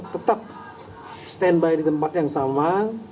tetap stand by di tempat yang sama